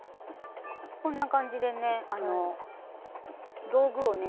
こんな感じでねあの道具をね